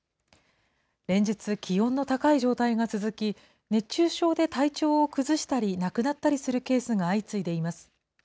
連日、気温の高い状態が続き、熱中症で体調を崩したり、亡くなったりするケースが相次いでいます。